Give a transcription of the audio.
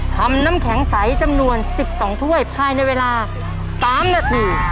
ทำน้ำแข็งใสจำนวน๑๒ถ้วยภายในเวลา๓นาที